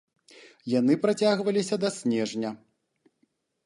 Яны працягваліся да снежня.